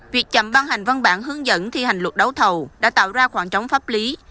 việc chậm ban hành văn bản hướng dẫn thi hành luật đấu thầu đã tạo ra khoảng trống pháp lý